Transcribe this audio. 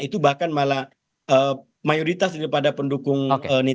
itu bahkan malah mayoritas daripada pendukung